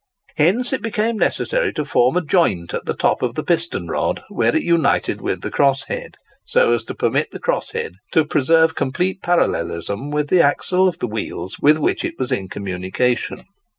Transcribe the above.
Hence it became necessary to form a joint at the top of the piston rod where it united with the cross head, so as to permit the cross head to preserve complete parallelism with the axle of the wheels with which it was in communication.